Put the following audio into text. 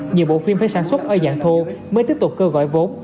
nhiều bộ phim phải sản xuất ở dạng thô mới tiếp tục kêu gọi vốn